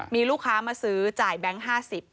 มีลูกค้ามาซื้อจ่ายแบงค์๕๐บาท